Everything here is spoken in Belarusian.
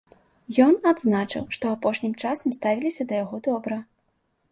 Ён адзначыў, што апошнім часам ставіліся да яго добра.